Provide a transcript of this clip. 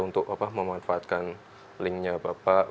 untuk memanfaatkan linknya bapak